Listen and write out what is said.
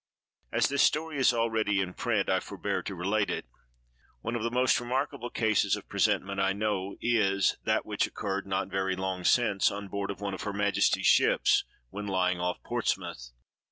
As this story is already in print, I forbear to relate it. One of the most remarkable cases of presentiment I know, is, that which occurred, not very long since, on board one of her majesty's ships, when lying off Portsmouth.